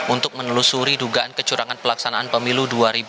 untuk menelusuri dugaan kecurangan pelaksanaan pemilu dua ribu dua puluh